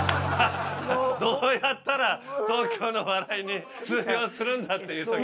どうやったら東京の笑いに通用するんだ？っていう時。